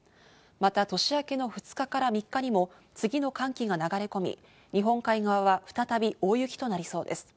また年明けの２日から３日にも次の寒気が流れ込み、日本海側は再び大雪となりそうです。